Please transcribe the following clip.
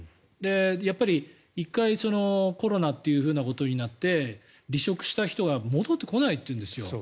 やっぱり１回コロナということになって離職した人が戻ってこないというんですよ。